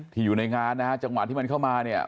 อยู่ในงานนะฮะจังหวะที่มันเข้ามาเนี่ย